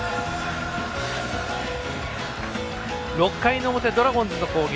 ６回の表、ドラゴンズの攻撃。